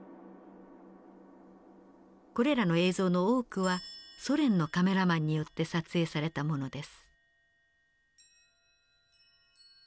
これらの映像の多くはソ連のカメラマンによって撮影されたものです。